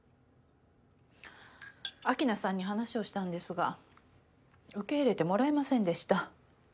秋菜さんに話をしたんですが受け入れてもらえませんでした。